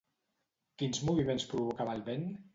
Quins moviments provocava el vent?